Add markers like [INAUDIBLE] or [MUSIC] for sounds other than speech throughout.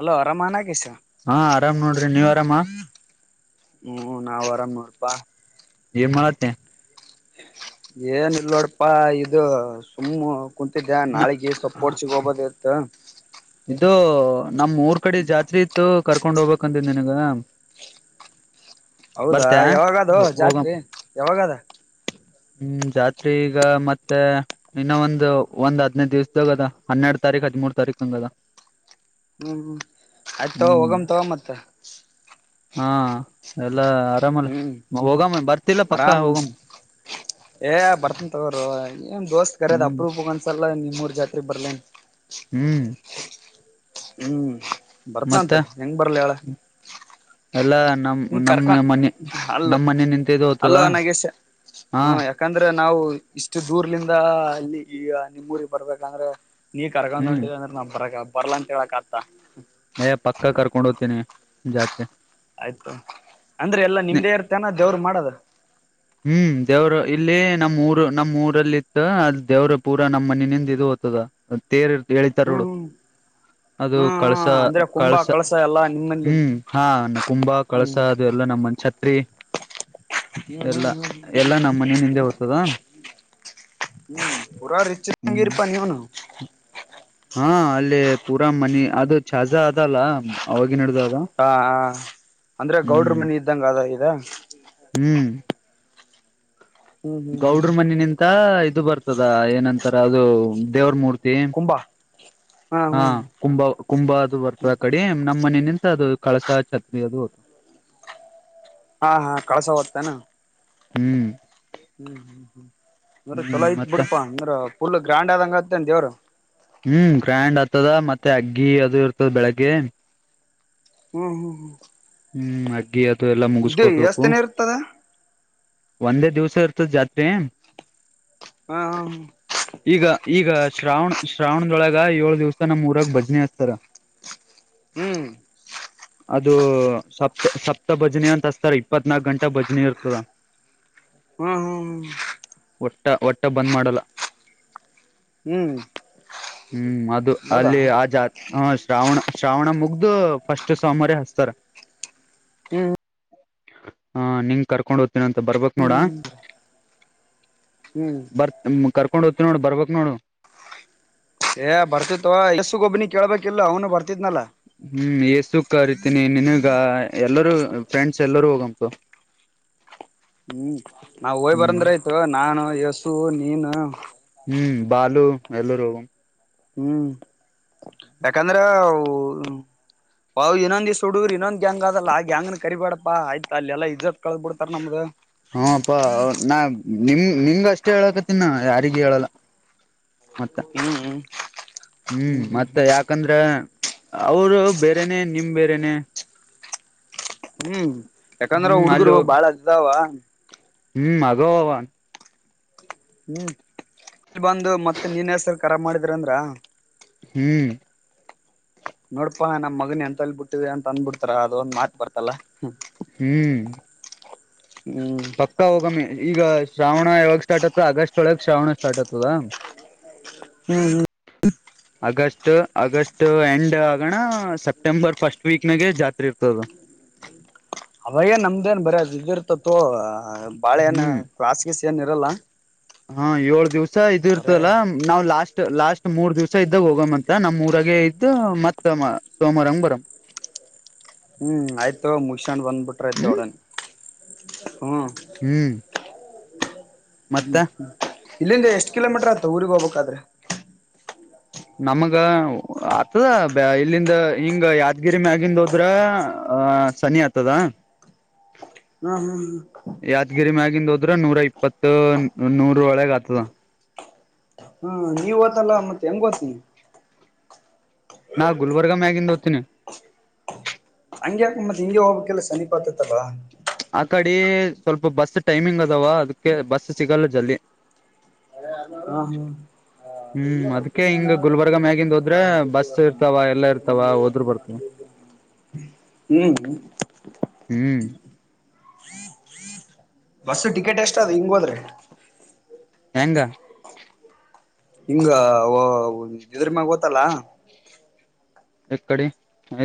Hello ಆರಾಮ ನಾಗೇಶ ಹಾ ಆರಾಮ್ ನೋಡ್ರಿ ನೀವ್ ಆರಾಮ ಹ್ಮ್ ನಾವ ಆರಾಮ ನೋಡ್ಪಾ ಇ ಮಾಡತ ಏನ್ ಇಲ್ ನೋಡಪ್ಪಾ ಇದು ಸುಮ್ಮು ಕುಂತಿದ್ದ ನಾಳಿಗೆ ಸಪೋರ್ಟ್ ಸಿಗೋಗಬೋದ ಇತ್ ಇದು ನಮ ಊರ್ ಕಡೆ ಜಾತ್ರೆ ಇತ್ತು ಕರ್ಕೊಂಡ್ ಹೋಗ್ಬೇಕಕ್ಂತನಿ ನಿಂಗ್ ಹೌದಾ ಯಾವಾಗ ಅದು ಜಾತ್ರೆ ಯಾವಾಗದ ಹ್ಮ್ ಜಾತ್ ಈಗ ಮತ್ತೆ ಇನ್ನ ಒಂದು ಒಂದ್ ಹ್ಯಾಧ್ನಾಯ್ದಿವಸ್ದಾಗದ ಹನ್ನೆರಡು ತ ತಾರೀು ಹದಿಮೂರು ತಾರೀಖುಂಗದಾ ಹ್ಮ್ ಆಯ್ತತ್ ತಗ ಹೋಗಮ ತಗೊ ಮತ್ತ ಹ ಎಲ್ಲಾ ಆರಾಮಲ್ಲ ಹ್ಮ್ ಹೋಗಮ್ಮ ಬರ್ತಿಲ್ಲ ಪಕ್ಕ ಆರಾಮ್ ಹೋಗಮ್ಮ ಏ ಬರ್ತನ್ ತಗೋರು ಏನ್ ದೋಸ್ತ್ ಕರ್ಯದ್ ಹ್ಮ್ ಅಪ್ರೂಪ ಅಂದಸಲ್ಲ ನೀವ ಮೂರು ಜಾತ್ರಿ ಬರ್ಲನ್ ಹ್ಮ್ ಹ್ಮ್ ಬರ್ತ ಮತ್ತ ಅಂತ ಹೆಂಗ ಬರ್ಲಿ ಅವಳ ಎಲ್ಲಾ ನಮ ನಮ್ಮ ಮನೆ ಅಲ್ಲ ನಮ ಮನ ನಿಂತ ಇದು ಅಲ್ಲೋ ಹೋಗ್ತದಾ ನಾಗೇಶ ಹ್ಮ ಯಾಕಂದ್ರೆ ನಾವು ಇಷ್ಟು ದೂರ್ಲಿಂದ ಅಲ್ಲಿ ಈ ನಿಮ್ಮೂರಿಗೆ ಬರ್ಬೇಕಂದ್ರೆ ನೀ ಕರ್ಕೊಂಡ್ ಹ್ಮ್ ಹೊಂಟಿಡಿದ ಅಂದ್ರೆ ನಾ ಬರ ಬರ್ಲಾ ಅಂತ ಹೇಳಕ್ ಆತ ಪಕ್ಕ ಕರ್ಕೊಂಡ್ ಹೋಗದ್ತೀನಿ ಜಾತ್ಗೆ ಆಯ್ತು ಅಂದ್ರೆ ಎಲ್ಲಾ ನಿಮ್ದೇ ಇರ್ತೇನ ದೇವರು ಮಾಡದ ಹ್ಮ್ ದೇವರು ಇಲ್ಲಿ ನಮ್ಮ್ ಊರು ನಮ್ಮ್ ಊರಲ್ಲಿ ಇತ್ತು ಅಲ್ಲಿ ದೇವ್ರ ಪೂರಾ ನಮ್ಮ್ ಮನೆನಿಂದ ಇದು ತದ ತೇರ ಇಟು ಏಳಿತಾರ ಹ್ಮ್ ನೋಡು ಹ್ಮ್ ಅದು ಹ್ಮ್ ಕಳಸ ಹ್ಮ್ ಅಂದ್ರೆ ಕುಂಭ ಕಳಸ ಎಲ್ಲಾ ನಿಮ್ಮಲ್ಲಿ ಹ್ಮ್ ಹಾ ಕುಂಭ ಕಳಸ ಹ್ಮ್ ಹ್ಮ್ ಅದು ಎಲ್ಲಾ ನಮ್ಮನ್ ಛತ್ರಿ ಹ್ಮ್ ಎಲ್ಲಾ ಹ್ಮ್ ಎಲ್ಲಾ ನಮ್ಮ್ ಮನ ನಿಂದೆ ಹೋಗ್ತದಾ ಹ್ಮ್ ಪೂರಾ ಹ್ಮ್ ರಿಚ್ಂಗಿರ್ಪ ನೀ ಹನು ಹಾ ಅಲ್ಲಿ ಪೂರಾ ಮನಿ ಅದು ಝ ಅದಲ್ಲ ಅವ ಹಾ ಅಂದ್ರೆ ಗೌಡ್ರ ಹ್ಮ್ ಮನೆ ಇದ್ದಂಗ ಅದ ಇದ ಹ್ಮ್ ಹ್ಮ್ ಹ್ಮ್ ಹ್ಮ್ ಹ್ಮ್ ಗೌಡ್ರ ಮನ ನಿಂತ ಇದು ಬರ್ತದ ಏನಂತಾರ ಅದು ದೇವ್ರ ಮೂರ್ತಿ ಕುಂಂಬಾ ಹಾ ಕುಂಬ ಕುಂಭ ಅದು ಬರ್ತದ ಆ ಕಡೆ ನಮ್ಮ್ ಮನ ನಿ ಮತ್ತ ಅದು ಕಳಸ ಛತ್ರಿ ಅದುದು ಹಾ ಹಾ ಕಳ್ಸ ಹದ್ತೇನಾ ಹ್ಮ್ ಹ್ಮ್ ಹ್ಮ್ ಹ್ಮ್ ಅಂದ್ರ ಹ್ಮ್ ಚಲೋ ಐತ್ ಮತ್ತ ಬಿಡ್ಪಾ ಅಂದ್ರ ಫುಲಲ್ ಗ್ರ್ಯಾಂಡ್ ಆದಂಗತ್ತನ್ ದೇವ್ರ ಹ್ಮ್ ಗ್ರ್ಯಾಂಡ್ ಆಗ್ತದ ಮತ್ತೆ ಅಗ್ಗಿ ಅದು ಇರ್ತದ ಬೆಳಗ್ಗೆ ಹ್ಮ್ ಹ್ಮ್ ಹ್ಮ್ ಹ್ಮ್ ಅಗ್ಗಿ ಅದು ಎಲ್ಲ ಇದು ಎಷ್ಟ ಮುಗಿಸಕೋಬೇಕು ದಿನ ಇರ್ತದ ಪಂದರ ದಿವಸ ಅತ ಜತ್ರೆ ಹಾ ಈಗ ಈಗ ಶ್ರಾವಣ ಶ್ರಾವಣದೊಳಗ ಏಳ ದಿವ್ಸ ನಮ್ಮ್ ಊರಾಗ ಭಜನೆ ಹಕ್ತಾರ ಹ್ಮ್ ಅದು ಸಪ್ತ ಸಪ್ತ ಭಜನೆ ಅಂತ ಹಸ್ತಾರೆ ಇಪ್ಪತ್ನಾಕ ಗಂಟೆ ಭಜನೆ ಇರ್ತದ ಹ್ಮ ಹ್ಮ್ ಹ್ಮ್ ಒಟ್ಟ ಒಟ್ಟ ಬಂದ್ ಮಾಡಲ್ಲ ಹ್ಮ್ ಹ್ಮ್ ಅದು ಹೌದಾ ಅಲ್ಲಿ ಆ ಜಾತ್ ಹಾ ಶ್ರಾವಣ ಶ್ರಾವಣ ಮುಗ್ದು ಫಸ್ಟ್ ಸೋಮಾರ ಹಸ್ತಾರ ಹ್ಮ್ ಹ ನಿಂಗ ಕರ್ಕೊಂಡ್ ಹೋಗದ್ತೀನ ಅಂತ ಬರ್ಬೇಕಕ್ ನೋಡ ಹ್ಮ್ ಬರ್ ಕರ್ಕೊಂಡ ಹೋಗ್ತವಿ ನೋಡು ಬರ್ಬಕ್ ನೋಡು ಏ ಬರ್ತಿತ್ವ ಯಸ್ಸು ಗೊಬ್ಬನಿ ಕೇಳ್ಬೇಕಿಲ್ಲ ಅವನು ಬರ್ತಿ ಹ್ಮ್ ಎಏ ಸುಖರಿತೀನಿ ನಿನಗ ಎಲ್ಲರೂ ಫ್ರೆಂಡ್ಸ್ ಎಲ್ಲರೂ ಹೋಗಂಂತು ಹ್ಮ್ ನಾವ್ ಹೋಯ್ ಬರಂದ್ರೆ ಆಯ್ತು ನಾನು ಯಸು ನೀನು ಹ್ಮ್ ಬಾಲು ಎಲ್ಲರುೂ ಹ್ಮ್ ಯಾಕಂದ್ರೆ ಬಾವವು ಇನ್ನೊಂದಿ ಸುಡಡುರ್ ಇೊಂದ್ ಹೆಂಗ ಅದಲ್ಲ ಆಗ್ಯಾಂಗನ ಕರಿಬಾಡಪ್ಪ ಆಯ್ತ ಅಲ್ಲೆಲ್ಲ ಇದ ಹಾಪಾ ನಾ ನಿಮ ನಿಮ್ಷ್ಟ ಇಷ್ಟ ಹೇಳಕ ತಿನ್ನ ಯಾರಿಗ ಹೇಳಲ್ಲ ಮತ್ತೆ ಹ್ಮ್ ಹ್ಮ್ ಹ್ಮ್ ಮತ್ತೆ ಯಾಕಂದ್ರೆ ಅವರು ಬೇರೆನೆೇ ನಿಮ್ ಬೇರೆನೆೇ ಹ್ಮ್ ಯಾಕಂದ್ರ ಹ್ಮ್ ಹುಡ್ಗರು ಅಲ್ಲಿ ಬಾಳ ಹದದಾವ ಗೋವನ್ ಹ್ಮ್ ಇಲ್ ಬಂದು ಮತ್ತೆ ನೀನ್ೇಸಲ್ ಖರ ಮಾಡಿದ್ರ ಅಂದ್ರ ಹ್ಮ್ ನೋಡಪಾ ನಮ್ ಮಗನ ಎಂತ ಅಲ್ಲಿ ಬಿಟ್ಟಿದೆ ಅಂತ ಅಂದಬಿಡ್ತಾರ ಅದೊಂದ್ ಮಾತ್ ಬರ್ತಲ್ಲ ಹ್ಮ್ ಪಕ್ಕ ಹೋಗಮ್ಮೆ ಈಗ ಶ್ರಾವಣ ಯಾವಾಗ ಸ್ಟಾರ್ಟ್ ಆಗ್ತ ಆಗಸ್ಟ್ ಒಳಗ್ ಶ್ರಾವಣ ಸ್ಟಾರ್ಟ್ ಆಗ್ತದಾ ಹ್ಮ್ ಹ್ಮ್ ಆಗಸ್ಟ್ ಆಗಸ್ಟ್ ಎಂಡ್ ಆಗಣ ಸೆಪ್ಟೆಂಬರ್ ಫಸ್ಟ್ ವೀಕ್ ನಾಗ ಜಾತ್ರೆ ಇರ್ತದೆ. ಹ್ಮ. [INAUDIBLE] ಅವಾಗೇ ನಮ್ದೇನ್ ಬರ ಅದ ಇರ್ತೆತೀ ತೊಗೊ ಬಾಳ ಏನ್ ಹ್ಮ್ ಕ್ಲಾಸಸ್ ಏನ್ ಇರಲ್ಲ. ಹಾ ಏಳ್ ದಿವ್ಸ ಇದ ಬರೇ ಇರ್ತದಲ್ಲ ನಾವ್ ಲಾಸ್ಟ್. ಲಾಸ್ಟ್ ಮೂರ್ ದಿವ್ಸ ಇದ್ದಾಗ ಹೋಗಮ ಅಂತ ನಮ್ಮ್ ಊರಾಗೆ ಇದ್ದ ಮತ್ತ ಸೋಮವಾರಂಗ ಬರಂ. ಹ್ಮ್ ಆಯ್ತು ಮುಸಂಡ್ ಹ್ಮ್ ಬಂದ್ಬಿಟ್ರ್ದೊಡನ್ ಹ್ಮ್. ಹ್ಮ್. ಮತ್ತ ಹ್ಮ್ ಹ್ಮ್ ಇಲ್ಲಿಂದ ಎಷ್ಟ್ ಕಿಲೋಮೀಟರ್ ಆತ ಊಗ್ ಹೋಗ್ಬೇಕಾದ್ರ. ನಮಗ ಆತದ ಬ ಇಲ್ಲಿಂದ ಹಿಂಗ ಯಾದಗಿರಿ ಮ್ಯಗಿಂದ ಹೋದ್ರ. ಹ ಸನಿ ಆಗ್ತದಾ. [INAUDIBLE] ಹ್ಮ್ ಹ್ಮ್ ಯಾದಗಿರಿ ಮ್ಯಾಗಿಂದ. ಅದ್ರ ನೂರ ಇಪ್ಪತ್ ನೂರ ಒಳಗೆ ಆತದ. ಹ್ಮ್ ಹ್ಮ್ ನೀವ್ ಓತಲ್ಲ ಮತ್ತೆ ಹೆಂಗ್ ಓತ್ ನೀ ನಾ ಗುಲ್ಬರ್ಗ ಮ್ಯಾಗಿಂದ ಹೋದ್ತೀನಿ. ಹಂಗೆಕ ಮತ್ ಹಿಂಗೆ ಹೋಗ್ಬೇಕಕ್ಕೆಲ್ಲ ಸನಿಪಾತಲ್ವಾ. ಆ ಕಡೆ ಸ್ವಲ್ಪ ಬಸ್ ಟೈಮಿಂಗ್ ಅದಾವ ಅದಕ್ಕೆ ಬಸ್ ಸಿಗಲ್ಲ ಜಲ್ದಿ. ಹ ಹಾ. ಹ್ಮ್ ಅದ್ಕ ಹಿಂಗ ಗುಲ್ಬರ್ಗ ಮ್ಯಗಿಂದ ಹೋದ್ರೆ ಬಸ್ ಇರ್ತಾವ ಎಲ್ಲಾ ಇರ್ತಾವ ಹೋದ್ರು ಬರ್ತವ. ಹ್ಮ್. ಹ್ಮ್. ಬಸ್ಸ ಟಿಕೆಟ್ ಎಷ್ಟ ಅದ ಹಿಂಗೋದ್ರ. ಹೆಂಗ. ಹಿಂಗ ಇದ್ರ ಮ್ಯಾಗ ಹೋತಲಾ. ಎ ಕಡಿ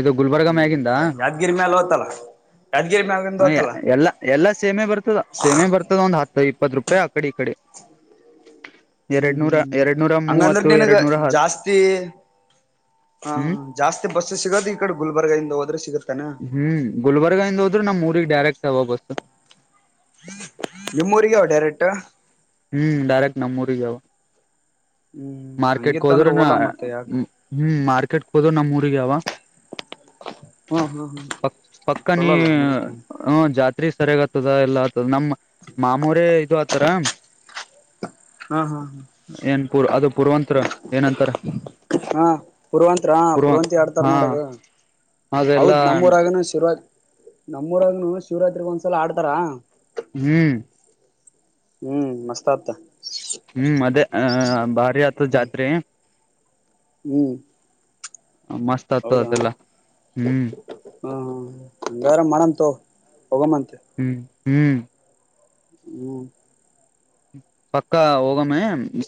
ಇದು ಗುಲ್ಬರ್ಗ ಈ ಮ್ಯಾಗಿಂದ. ಯಾದಗಿರಿ ಮ್ಯಾಲ ಹೋತಲ್ಲ ಯಾದಗಿರಿ ಮ್ಯಾಗಿಂದ ಅಯ ಹೋತಲ್ಲ ಎಲ್ಲಾ ಎಲ್ಲಾ ಸೇಮೆ ಬರ್ತದ ಸೇಮೆ ಬರ್ತದ ಒಂದ್ ಹತ್ತೈ. ಇಪ್ಪತ್ತು ರೂಪಾಯಿ ಅಕಡೆ ಈ ಕಡೆ. ಹ್ಮ್ ಎರಡ್ ನೂರ ಹ್ಮ್ ಎರಡ್ ನೂರ ಹಂಗಂದ್ರ ಮೂವತ್ತು ನೀನಗ ಎರಡ್ ನೂರ ಹ ಜಾಸ್ತಿ. ಹಾ ಹ್ಮ್ ಹಾ ಜಾಸ್ತಿ ಬಸ್ ಸಿಗೋದು ಈ ಕಡೆ ಗುಲ್ಬರ್ಗ ಇಂದ ಹೋದ್ರೆ ಸಿಗ. ಹ್ಮ್ ಗುಲ್ಬರ್ಗ ಇಂದ ಹೋದ್ರ ನಮ್ ಊರಿಗ್ ಡೈರೆಕ್ಟ್ ಅವ ಬಸ್ಸ. ನಿಮ್ಮೂರಿಗೆ ಅವ ಡೈರೆಕ್ಟ್. ಹ್ಮ್ ಡೈರೆಕ್ಟ್ ನಮ್ಮ ಊರಿಗೆ ಅವ. ಹ್ಮ್ ಮಾರ್ಕೆಟ್ಗೆ ಹಂಗಿತ್ತ ಹೋದ್ರ ಅಂದ್ರೆ ಓಲಾ ಮತ್ತೆ ಯಾಕ ಹ್ಮ್ ಮಾರ್ಕೆಟ್ಗೆ ಹೋದ ನಮ್ಮ. ಹ್ಮ್ ಹ್ಮ್ ಹ್ಮ್ ಪಕ್ ಪಕ್ಕ ನೀ ಚಲೋಲ್ಲ ಹಂಗಿತ್ತ ಜತಿ. ತ್ರಿ ಸರಿಯಾಗ ಆತದ ಎಲ್ಲ ಆತದ ನಮ್ಮ್ ಮಾಮವರೆ ಇದು ಆತರ. ಹಹಹ. ಪೂರ್ವಾಂತ್ರ ಏನ್ ಅಂತರ್. ಹಾ ಪುರುವಂತರ ಪುರುವಂತಿ ಆಡ್ತಾರ ಹಾ ನೋಡ ಅದ. ಹೌದ್ ಅದೆಲ್ಲಾ ನಮ್ಮೂರಾಗನು ಶಿವರಾತ್ ನಮ್ಮೂರಾಗನು ಶಿವರಾತ್ರಿಗ್ ಒಂದ್ಸಲ ಆಡ್ತಾರ. ಹ್ಮ್. ಹ್ಮ್ ಮಸ್ತ್ ಆತ. ಹ್ಮ್ ಅದೇ ಅ ಭಾರಿ ಆತದ ಜಾತ್ರಿ. ಹ್ಮ್. ಮಸ್ತ್ ಆತು ಅದೆಲ್ಲ ಹ್ಮ್. ಹ್ಮ್ ಹಂಗಾರ ಮಾಡಂತ ಹೋಗಮ್ಮಂತೆ. ಹ್ಮ್ ಹ್ಮ್. ಹ್ಮ್. ಪಕ್ಕ ಹೋಗೊಮ್ಮ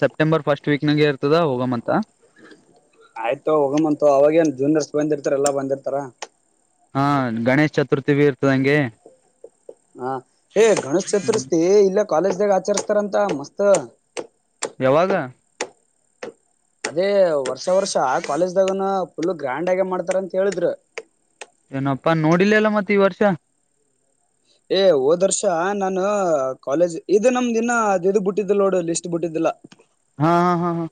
ಸೆಪ್ಟೆಂಬರ್ ಫಸ್ಟ್ ವೀಕ್ ನಾಗ ಇರ್ತದ ಹೋಗೋಮ್ ಅಂತ. ಆಯ್ತು ಹೋಗೋಮ್ ಅಂತ ಅವಾಗೇನ್ ಜೂನಿಯರ್ಸ್ ಬಂದಿರ್ತಾರ ಎಲ್ಲಾ ಬಂದಿರ್ತಾರ. ಹಾ ಗಣೇಶ್ ಚತುರ್ಥಿ ಬಿ ಇರ್ತದಂಗೆ. ಹಾ ಹೇ ಗಣೇಶ್ ಹ್ಮ್ ಚತುರ್ಸ್ಥಿ ಇಲ್ಲ. ಕಾಲೇಜ್ ದಾಗ ಆಚರಿಸಸ್ತಾರಂತ ಮಸ್ತ್ ಯಾವಾಗ ಅದೇ ವರ್ಷ ವರ್ಷ ಆ ಕಾಲೇಜ್ದಾಗನ ಫುಲ್ ಗ್ರ್ಯಾಂಡ್ ಆಗೆ ಮಾಡ್ತಾರ ಅಂತ ಹೇಳಿದ್ರು ಇಪ್ಪಾ ನೋಡಿಲ್ಲಲ್ಲ ಮತ್ತೆ ಈ ವರ್ಷ ಏ ಹೋದ್ ವರ್ಷ ನಾನು ಕಾಲೇಜ್ ಇದು ನಮ್ದ ದಿನ ಅದು ಇ ಬಿಟ್ಟಿದ್ದಲ್ ನೋಡು ಲಿಸ್ಟ್ ಬಿಟ್ಟಿದ್ದ ಇಲ್ಲ ಹಾ ಹಾ ಹಾ ಹಾ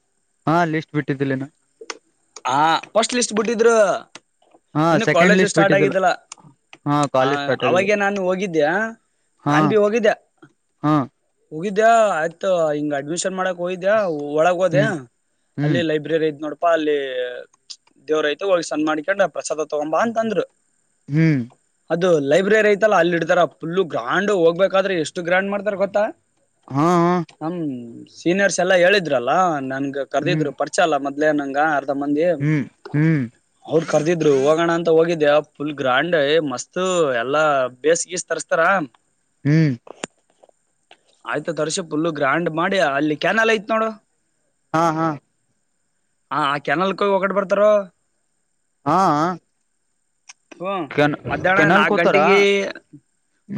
ಹಾ ಲಿಸ್ಟ ಬಿಟ್ಟಿದ್ದ ನ ಹ ಫಸ್ಟ್ ಲಿಸ್ಟ್ ಬಿಟ್ಟಿದ್ರ ಹಾ ಇನ್ನು ಸೆಕೆಂಡ್ ಕಾಲೇಜು ಲಿಸ್ಟ್ ಸ್ಟಾರ್ಟ್ ಬಿಟ್ಟಿದ್ದಿಲ್ಲ ಆಗಿದ್ದಲ್ಲ ಹಾ ಹ ಕಾಲೇಜ್ ಸ್ಟಾರ್ಟ್ ಆಗಿದೆ ಅವಾಗೆ ನಾನು ಹೋಗಿದ್ದ್ಯಾ ಹಾ ನಾನ್ ಭ ಹೋಗಿದ್ದ ಹಾ ಹೋಗಗಿದ್ಯಾ ಆಯ್ತು ಹಿಂಗ ಅಡ್ಮಿಷನ್ ಮಾಡಕ ಹಯ್ದ್ಯಾ ಒಳಗ ಹೋದ ಹ್ಮ್ ಅಲ್ಲಿ ಹ್ಮ್ ಲೈಬ್ರರಿ ಐ್ ನೋಡಪಾ ಅಲ್ಲಿ ದೇವ್ರಐ್ತ ಹೋಗಿ ಸಣ್ಣ ಮಾಡಿಕೊಂಡ ಪ್ರಸಾದ ತಗೊಂಬ ಅಂತ ಅಂದ್ರು ಹ್ಮ್ ಅದು ಲೈಬ್ರರಿ ಐತಲ್ಲ ಅಲ್ಲಿ ಇಡ್ತಾರ ಫುಲ್ು ಗ್ರಾಂಡ್ ಹೋಗ್ಬೇಕಾದ್ರೆ ಎಷ್ಟು ಗ್ರಾಂಡ್ ಮಾಡ್ತಾರ ಗೊತ್ತಾ ಹಾ ಹಾ ಹ್ಮ ಸೀನಿಯರ್ಸ್ ಎಲ್ಲಾ ಹೇಳಿದ್ರಲ್ಲ ನನ್ಗ ಹ್ಮ್ ಕರ್ದಿದ್ರು ಪರಿಚಯ ಅಲ್ಲ ಮತ್ತೆ ಇ ನಂಗ ಅರ್ಧ ಮಂದಿ ಹ್ಮ್ ಹ್ಮ್ ಕರ್ದಿದ್ರು ಹೋಗೋಣ ಅಂತ ಹೋಗಿದ್ದೆ ಫುಲ್ ಗ್ರಾಂಡ್ ಮಸ್ತ್ ಎಲ್ಲಾ ಬೇಸ್ಗೀಸ್ ತರಿಸಸ್ತಾರ ಹ್ಮ್ ಆಯ್ತ ವರ್ಷ ಪಫುಲ್ಲು ಗ್ರ್ಯಾಂಡ್ ಮಾಡಿ ಅಲ್ಲಿ ಕ್ಯಾನಲ್ ಐ್ತ್ ನೋಡು ಹಾ ಹಾ ಹ ಆ ಕೆನಲ್ ಕೋಗಿ ಒಡೆ ಬರ್ತಾರೋ ಹಾ ಹ್ಮ ಕೆನ್ ಮಧ್ಯಾಹ್ನ ಕೆನಲ್ ನಾಕ್ ಕೂತಾರ ಗಂಟೆಗೆ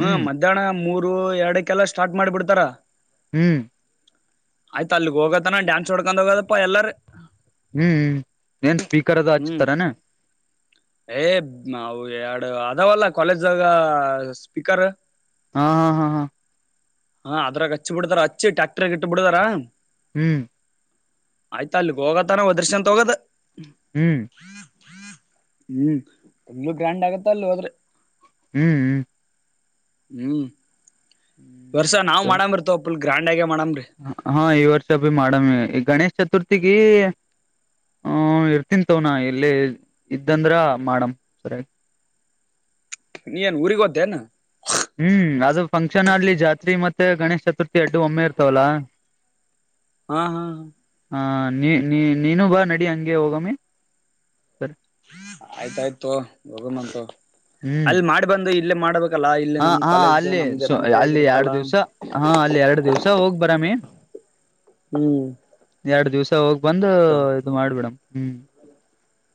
ಹ್ಮ್ ಮಧ್ಯಾಹ್ನ ಮೂರ್ ರು ಎರಡಕ್ಕೆಲ್ಲ ಸ್ಟಾರ್ಟ್ ಮಾಡಿಬಿಡ್ತಾರ ಹ್ಮ್ ಆಯ್ತ ಅಲ್ಲಿಗ್ ಹೋಗತನ ಡ್ಯಾನ್ಸ್ ಹೊೋಡ್ಕೊಂಡ ಹೋಗದಪ್ಪ ಎಲ್ಲಾರ ಹ್ಮ್ ಏನ್ ಸ್ಪೀಕರ್ ಅದ ಹ್ಮ್ ಹಚ್ತಾರಾನ ಏ ಎರಡು ಅದಾವಲ್ಲ ಕಾಲೇಜಾಗ ಸ್ಪೀಕರ್ ಹಾ ಹಾ ಹಾ ಹಾ ಹಾ ಅದ್ರಾಗ ಹಚ್ಚಿ ಬಿಡತಾರ ಹಚ್ಚಿ ಟ್ಯಾಕ್ಟರ್ ಇಟ್ಟ ಬಿಡಿದಾರ ಹ್ಮ್ ಆಯ್ತಾ ಅಲ್ಲಿಗ್ ಹೋಗತಾನ ಒದ್ರಶ ಅಂತ ತಗದ ಹ್ಮ್ ಹ್ಮ್ ಎಲ್ಲೂ ಗ್ರ್ಯಾಂಡ್ ಆಗತ್ತ ಅಲ್ ಹೋದ್ರೆ ಹ್ಮ್ ಹ್ಮ್ ಹ್ಮ್ ಹ್ಮ್ ವರ್ಷ ನಾವ್ ಸರಿ ಮಾಡಂಬಿರ್ತವ ಪುಲ್ ಗ್ರಾಂಡ್ಾಗ ಹಾ ಈ ವರ್ಷ ಭ ಮಾಡಮ್ಮಿ ಗಣೇಶ್ ಚತುರ್ಥಿಗೆ ಹ್ಮ ಇರ್ತನ್ ತವನ ಎಲ್ಲಿ ಇದ್ದಂದ್ರ ಮಾಡಮ ಸರಿಯಾಗಿ ನೀಏನು ಉಊರಿಗೊತ್ತನು ಹ್ಮ್ ಅದು ಫಂಕ್ಷನ್ ಅಲ್ಲಿ ಜಾತ್ರಿ ಮತ್ತೆ ಗಣೇಶ್ ಚತುರ್ಥಿ ಅಡ್ಡು ಒಮ್ಮೆ ಇರ್ತವಲ್ಲಾ ಹಾ ಹಾ ಹಾ ಹ ನೀ ನೀ ನೀನು ಬಾ ನಡಿ ಹಂಗೆ ಹೋಗಮ್ಮಿ ಸರಿ ಆಯ್ತಾಯ್ತು ಹೋಗಮಂತು ಹ್ಮ್ ಅಲ್ಲಿ ಮಾಡಿ ಬಂದು ಇಲ್ಲೇ ಮಾಡ್ಬೇಕ ಆಲ್ಲ ಇಲ್ಲಿ ಹಾ ನಮ ಹಾ ಕಾಲೇಜ್ದು ಅಲ್ಲಿ ನಮ್ದ ನಮ್ ಕೈ ಅಲ್ಲಿ ಹೇಗಿರ್ತ್ತಲ್ಲ ಎರಡು ದಿವ್ಸ ಹಾ ಎರಡ್ ದಿವ್ಸ ಹೋಗ್ ಬಂದ ಆಯ್ತು ಇದು ಮಾಡ್ಬಿಡಮ್ ಹ್ಮ್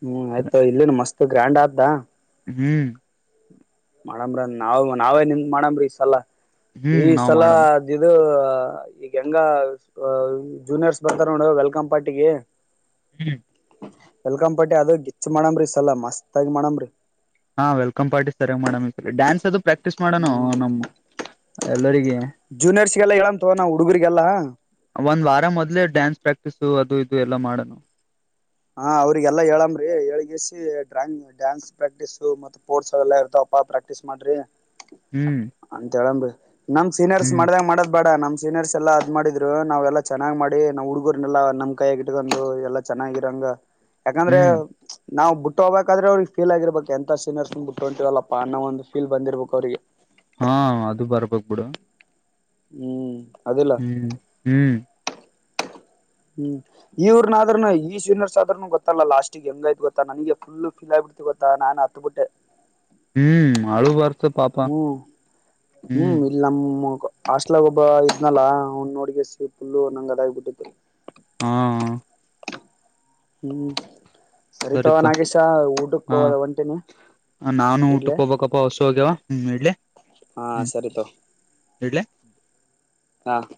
ಹ್ಮ್ ಆಯ್ತ ಇಲ್ಲಿನು ಮಸ್ತ್ ಗ್ರ್ಯಾಂಡ್ ಆದಾ ಹ್ಮ್ ಮಾಡಮ್ರಿ ನಾವ್ ನಾವೇ ನಿನ್ ಮಾಡಮ್ರಿ ಈ ಸಲ ಈ ಹ್ಮ್ ನಾವ್ ಸಲು ಮಾಡಮ್ ಅ ಈಗ ಹೆಂಗ ಜೂನಿಯರ್ಸ್ ಬಂತಾರ ನೋಡು ವೆಲ್ಕಮ್ ಪಾರ್ಟಿಿಗೆ ಹ್ಮ್ ಎಲ್ಕಾ್ ಪಟ್ಟಿ ಅದ ಗಿಚ್ಚ ಮಾಡಮ್ರೀ ಸಲ ಮಸ್ತ್ ಆಗಿ ಮಾಡಮ್ರರಿ ಹಾ ವೆಲ್ಕಮ್ ಪಾರ್ಟಿಸ್ ಸರ್ ಮೇಡಮ್ ಈ ಡ್ಯಾನ್ಸ್ ಅದು ಪ್ರಾಕ್ಟೀಸ್ ಮಾಡೋಣ ನಮ್ಮ್ ಎಲ್ಲಗ ಜೂನಿಯರ್ಸ್ ಗೆಲ್ಲ ಹೇಳ ತೋ ನಾವ ಹುಡುಗರ್ರಿಗೆಲ್ಲಾ ಒಂದ್ ವಾರ ಮೊದ್ೇ ಡ್ಯಾನ್ಸ್ ಪ್ರಾಕ್ಟೀಸು ಅದು ಇದು ಎಲ್ಲ ಮಾಡೋಣ ಹಾ ಅವ್ರಿಗೆಲ್ಲಾ ಹೇಳಮ್ರಿ ಎಳ್ಗಿಸಿ ಡ್ರಾಂಗ್ ಡ್ಯಾನ್ಸ್ ಪ್ರಾಕ್ಟೀಸ್ ಮ ಸ್ಪೋರ್ಸ್ ಎಲ್ಲಾ ಇರ್ತಾವ ಪ್ರಾಕ್ಟೀಸ್ ಮಾಡ್ರಿ ಹ್ಮ್ ಅಂತ ಹೇಳಿ ನಮ್ ಸೀನಿಯರ್ಸ್ ಹ್ಮ್ ಮಾಡ್ದಾಗ ಮಾಡದ್ ಬೇಡ ನಮ ಸೀನಿಯರ್ಸ್ ಎಲ್ಲ ಅದ್ ಮಾಡಿದರು ನಾವೆಲ್ಲಾ ಚೆನ್ನ್ ಮಾಡಿ ನಾವ್ ಹುಡುಗರ್ನ್ನನೆಲ್ಲ ನಮ್ ಕೈಿಟ್ಕೊಂಡು ಎಲ್ಲಾ ಚೆನ್ನ ಂಗ ಯಾಕಂದ್ರೆ ಹ್ಮ್ ನಾವು ಬಿಟ್ಟ ಹೋಗಬೇಕಾದ್ರೆ ಅವ್ರಿಗೆ ೀಲ್ ಆಗಿರ್ಬೇಕಕ್ ಎಂತ ಸೀನರ್ಸ್ ಬ ಬಿಟ್ಟು ಹೊ ಅಂತೀವಲ್ಲಪ್ಪ ಅನ್ನೋ ಒಂದುಫೀಲ್ ಬಂದಿರ್ಬೇಕು ಅವ್ರಿಗೆ ಹಾ ಅದು ಬರ್ಬಕ್ ಬಿಿಡು ಹ್ಮ್ ಅದಿಲ್ಲ ಹ್ಮ್ ಹ್ಮ್ ಹ್ಮ್ ಇವ್ರನ ಆದ್ರೂ ಈ ಸ್ವಿನರ್ಸ್ ಆದ್ರೂ ಗೊತ್ತಲ್ಲ ಲಾಸ್ಟಿಗೆ ಹೆಂಗಾಯ್ತು ಗೊತ್ತಾ ನನಗೆ ಫುಲ್ ಫಿಲ್ ಆ ಕೊೊತಾ ನಾನು ಹತ್ ಬಿಿಟ್ಟೆ ಹ್ಮ್ ಅಳು ಬರ್ತ ಪಾಪ ಹ್ಮ್ ಹ್ಮ್ ಇರಲಮ್ಮ ಆಾಸ್ಟ್ಲಾಗ ಒಬ್ಬ ಇದ್ನಲ್ಲ ಹಣ್ ನೋಡ್ಗ ಸಿ ಪುಲ್ಲು ನಂಗ ಅದಾಗಬಿಟ್ಟಿತ್ತು ಹಾ ಹ್ಮ್ ಸರಿತ ಸರಿತವನ್ಾಗೇಶ ಹಾ ಊಟಕ್ಕ ಹದ ಒಂಟಿನಿ ನಾನು ಊಟಕ್ಕೆ ಹೋಗ್ಬೇಕಪ್ಪ ಹೊಸು ಹೋಗ್ಯವ ಹ್ಮ್ ಇಲೆ ಹಾ ಹ್ಮ್ ಸರಿ ತಗೋ ಇಡ್ಲೆ ಹ್ಮ ಹಾ [UNINTELLIGIBLE]